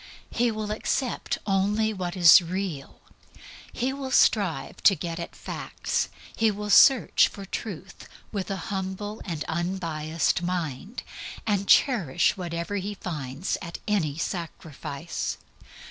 He will accept only what is real; he will strive to get at facts; he will search for Truth with a humble and unbiased mind, and cherish whatever he finds at any sacrifice.